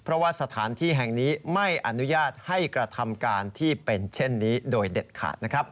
เพราะว่าสถานที่แห่งนี้ไม่อนุญาตให้กระทำการที่เป็นเช่นนี้โดยเด็ดขาดนะครับ